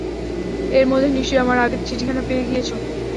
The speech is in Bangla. এর মধ্যে নিশ্চই আমার আগের চিঠিখানা পেয়ে গিয়েছ।